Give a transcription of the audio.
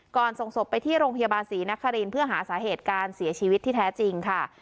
ส่งศพไปที่โรงพยาบาลศรีนครินทร์เพื่อหาสาเหตุการเสียชีวิตที่แท้จริงค่ะ